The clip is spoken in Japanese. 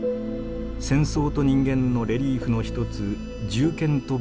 戦争と人間のレリーフの一つ